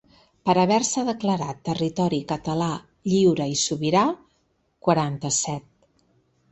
Per haver-se declarat ‘territori català lliure i sobirà’, quaranta-set.